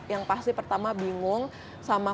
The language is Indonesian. yang pasti pertama bingung sama